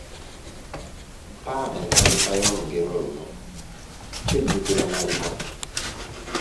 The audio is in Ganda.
Mpa entandikwa y’olugero luno:...…, kijjukirwa malima.